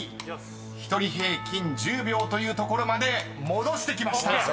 ［１人平均１０秒というところまで戻してきました］